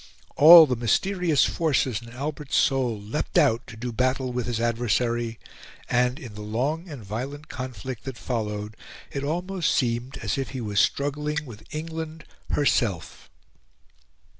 All the mysterious forces in Albert's soul leapt out to do battle with his adversary, and, in the long and violent conflict that followed, it almost seemed as if he was struggling with England herself.